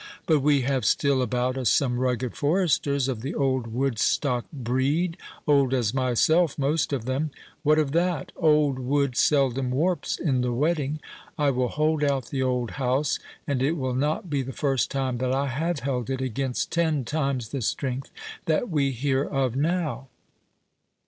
But we have still about us some rugged foresters of the old Woodstock breed—old as myself most of them—what of that? old wood seldom warps in the wetting;—I will hold out the old house, and it will not be the first time that I have held it against ten times the strength that we hear of now."